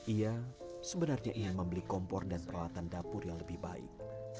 ia sebenarnya ingin membeli kompor dan peralatan dapur yang lebih baik